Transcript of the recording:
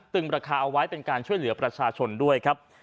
ราคาเอาไว้เป็นการช่วยเหลือประชาชนด้วยครับ